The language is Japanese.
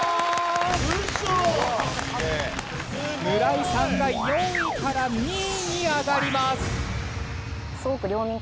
村井さんが４位から２位に上がります。